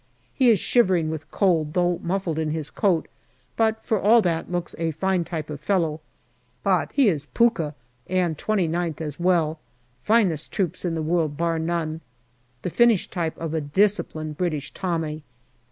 He is shivering with cold, though muffled in his coat, but for all that looks a fine type of fellow. But he is " pukkah " and 2Qth as well. Finest troops in the world, bar none. The finished type of a disciplined British Tommy.